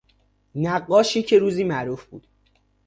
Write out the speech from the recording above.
نقاشی که روزی معروف بود